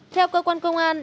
theo cơ quan công an